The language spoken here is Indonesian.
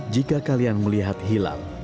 jika kalian melihat hilal